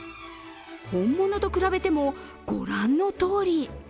本物と比べても御覧のとおり。